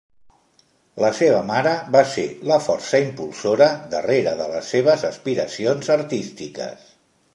La seva mare va ser la força impulsora darrere de les seves aspiracions artístiques.